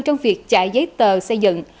trong việc chạy giấy tờ xây dựng